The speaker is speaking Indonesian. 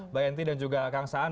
mbak yanti dan juga kang saan